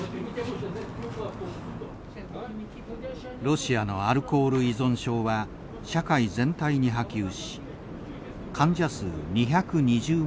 ロシアのアルコール依存症は社会全体に波及し患者数２２０万人。